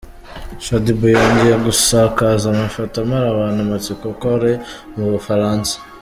Shaddy Boo yongeye gusakaza amafoto amara abantu amatsiko ko ari mu bufaransa.